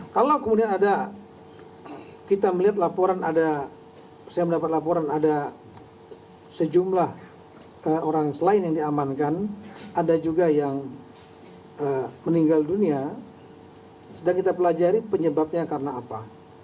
kalau kemudian ada kita melihat laporan ada saya mendapat laporan ada sejumlah orang selain yang diamankan ada juga yang meninggal dunia sedang kita pelajari penyebabnya karena apa